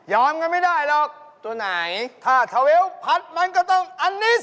ย้อนก็ไม่ได้หรอกทุกตัวไหนถาเวลพัสมาก็ต้องอันนี่สิ